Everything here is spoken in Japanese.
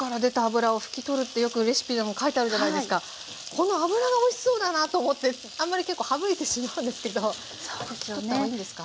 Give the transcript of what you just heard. この脂がおいしそうだなと思ってあんまり結構省いてしまうんですけど拭き取った方がいいんですか？